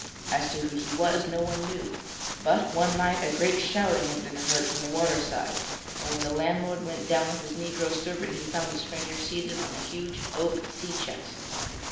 As to who he was, no one knew; but one night a great shouting had been heard from the water side, and when the landlord went down with his negro servant he found the stranger seated on a huge oak sea chest.